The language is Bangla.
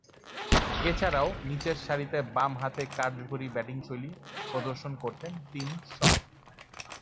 এছাড়াও, নিচেরসারিতে বামহাতে কার্যকরী ব্যাটিংশৈলী প্রদর্শন করতেন টিম শ।